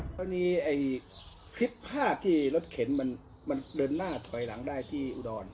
ดังนั้นบุหร่างคลิป๕ที่รถเข็นเดินหน้าถอยหลังได้ที่อุดร